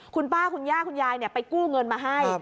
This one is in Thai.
คุณป้าคุณย่าคุณยายไปกู้เงินมาให้